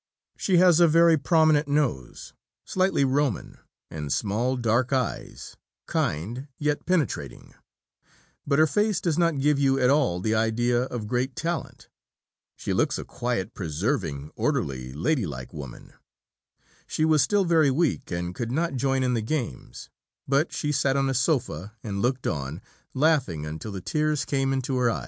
She has a very prominent nose, slightly Roman; and small dark eyes, kind, yet penetrating; but her face does not give you at all the idea of great talent. She looks a quiet, persevering, orderly, lady like woman.... She was still very weak, and could not join in the games, but she sat on a sofa, and looked on, laughing until the tears came into her eyes. Letter from Lady Hornby to her sister Mrs. Vaillant, Jan.